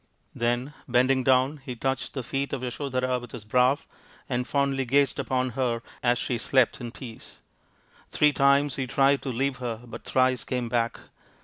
Then bending down he touched the feet of Yaso dhara with his brow, and fondly gazed upon her as she slept in peace. Three times he tried to leave her but thrice came back.